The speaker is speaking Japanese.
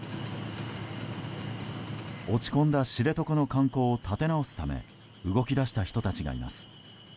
落ち込んだ知床の観光を立て直すため動き出した人たちがいます。